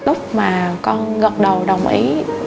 lúc mà con gật đầu đồng ý